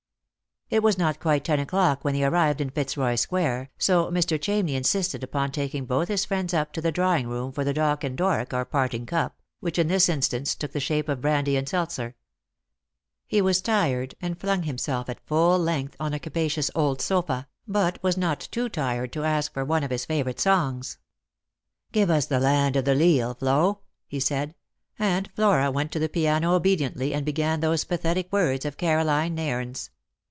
It was not quite ten o'clock when they arrived in Fitzroy square, so Mr. Chamney insisted upon taking both his friends up to the drawing room for the doch an dorrach, or parting cup, which in this instance took the shape of brandy and seltzer. He was tired, and flung himself at full length on a capacious old sofa ; but was not too tired to ask for one of his favourite songs. " Give us the ' Land of the Leal,' Flo," he said ; and Flora went to the piano obediently, and began those pathetic words of Caroline Nairne's.